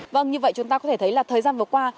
vâng như vậy chúng ta có thể thấy là thời gian vừa qua